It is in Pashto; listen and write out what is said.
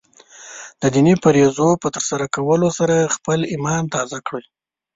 د دیني فریضو په سم ترسره کولو سره خپله ایمان تازه کړئ.